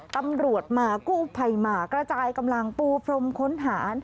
ตำรวจมากู้ภัยมากระจายกำลังปูพรมค้นหา